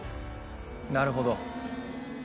なるほど。